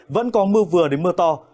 vẫn có mưa vừa đến mưa to